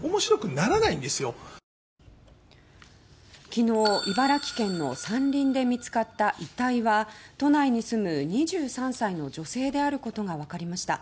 昨日、茨城県の山林で見つかった遺体は都内に住む２３歳の女性であることが分かりました。